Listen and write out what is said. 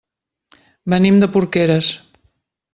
Venim de Porqueres.